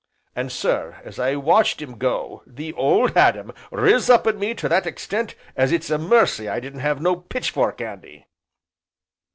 An' sir, as I watched him go, the 'Old Adam' riz up in me to that extent as it's a mercy I didn't have no pitchfork 'andy."